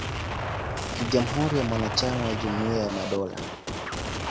Ni jamhuri mwanachama wa Jumuiya ya Madola.